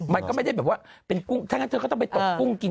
มันก็ไม่ได้เป็นว่าถ้าอย่างนั้นเธอก็ต้องไปตกกุ้ง